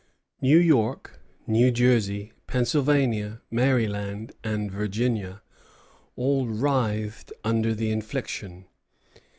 New York, New Jersey, Pennsylvania, Maryland, and Virginia all writhed under the infliction.